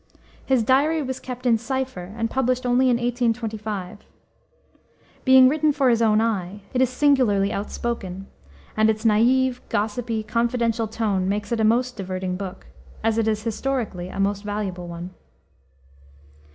His diary was kept in cipher, and published only in 1825. Being written for his own eye, it is singularly outspoken; and its naïve, gossipy, confidential tone makes it a most diverting book, as it is, historically, a most valuable one.